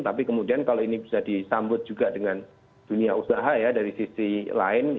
tapi kemudian kalau ini bisa disambut juga dengan dunia usaha ya dari sisi lain